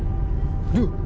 どう？